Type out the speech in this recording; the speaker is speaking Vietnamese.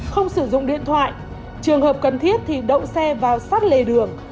không sử dụng điện thoại trường hợp cần thiết thì đậu xe vào sát lề đường